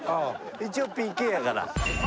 一応ＰＫやから。